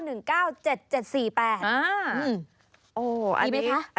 อืมดีไหมคะ